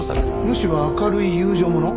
むしろ明るい友情もの。